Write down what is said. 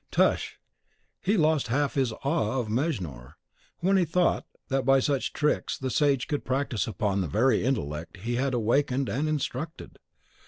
Tush! he lost half his awe of Mejnour, when he thought that by such tricks the sage could practise upon the very intellect he had awakened and instructed!